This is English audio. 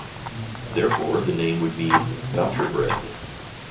Therefore, the name would mean "voucher bread".